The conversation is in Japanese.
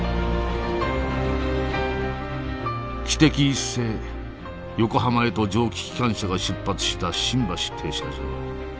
汽笛一声横浜へと蒸気機関車が出発した新橋停車場。